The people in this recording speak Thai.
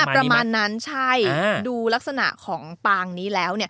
ประมาณนั้นใช่ดูลักษณะของปางนี้แล้ว